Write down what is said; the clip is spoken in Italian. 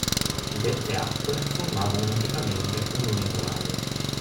Dette acque formavano anticamente un unico lago.